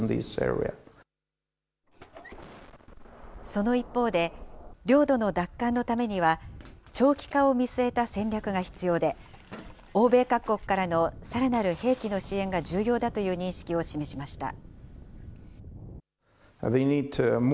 その一方で、領土の奪還のためには長期化を見据えた戦略が必要で、欧米各国からのさらなる兵器の支援が重要だという認識を示しました。